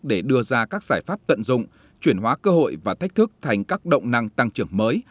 để đưa ra các giải pháp tận dụng chuyển hóa cơ hội và thách thức thành các động năng tăng trưởng mới